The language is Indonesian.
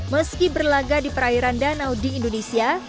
meski berlaga di perairan danau di indonesia